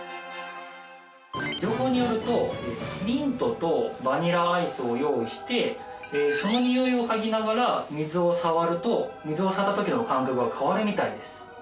情報によるとミントとバニラアイスを用意してそのにおいを嗅ぎながら水を触ると水を触った時の感覚が変わるみたいです。